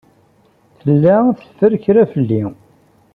Tella teffer kra fell-i.